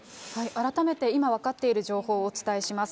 改めて今分かっている情報をお伝えします。